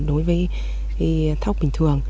đối với thóc bình thường